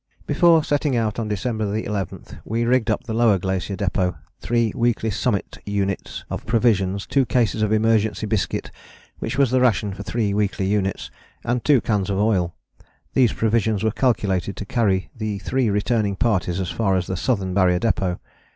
" Before setting out on December 11 we rigged up the Lower Glacier Depôt, three weekly Summit units of provisions, two cases of emergency biscuit which was the ration for three weekly units, and two cans of oil. These provisions were calculated to carry the three returning parties as far as the Southern Barrier Depôt.